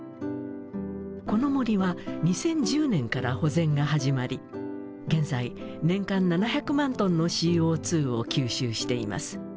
この森は２０１０年から保全が始まり現在年間７００万トンのＣＯを吸収しています。